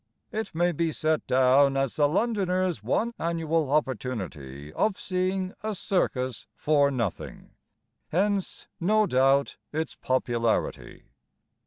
It may be set down As the Londoner's one annual opportunity Of seeing a circus for nothing; Hence no doubt its popularity.